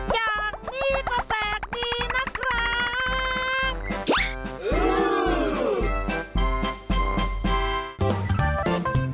อย่างนี้ก็แปลกดีนะครับ